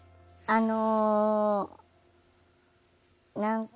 あの。